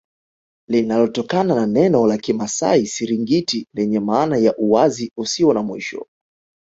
Linalotokana na neno la kimasai Siringiti lenye maana ya uwazi usio na mwisho